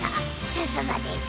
さすがです